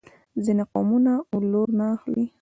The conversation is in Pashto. ځینې قومونه ولور نه اخلي.